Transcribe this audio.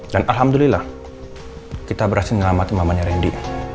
dan alhamdulillah kita berhasil ngelamati mamanya rendy